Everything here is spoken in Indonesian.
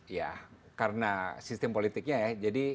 ya karena sistem politiknya ya